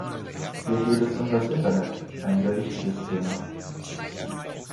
Hier geht es um das Internet, ein sehr wichtiges Thema.